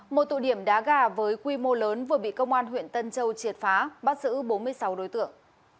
một tụ điểm đá gà với quy mô lớn vừa bị công an huyện tân châu triệt phá bắt giữ bốn mươi sáu đối tượng